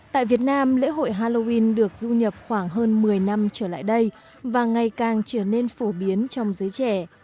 tại việt nam lễ hội halloween được du nhập khoảng hơn một mươi năm trở lại đây và ngày càng trở nên phổ biến trong giới trẻ